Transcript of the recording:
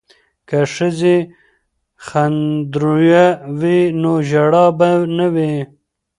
که ښځې خندرویه وي نو ژړا به نه وي.